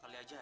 kali aja ada